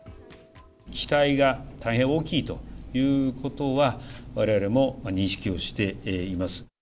期待が大変大きいということは、われわれも認識をしています。